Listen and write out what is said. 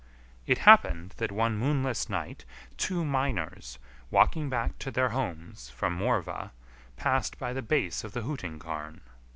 It happened that one moonless night two miners, walking back to their homes from Morvah, passed by the base of the Hooting Carn.